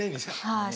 はい。